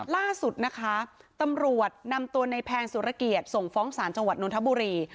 ล่าสุดนะคะตำรวจนำตัวในแพงสุรเกียรติส่งฟ้องศาลจังหวัดนทบุรี